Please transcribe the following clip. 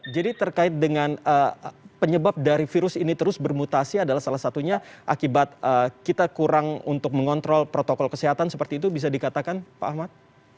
jadi terkait dengan penyebab dari virus ini terus bermutasi adalah salah satunya akibat kita kurang untuk mengontrol protokol kesehatan seperti itu bisa dikatakan pak ahmad